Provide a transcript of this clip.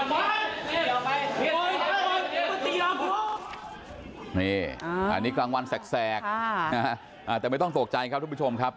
นี่กลางวันแสกแต่ไม่ต้องตกใจครับทุกผู้ชมครับ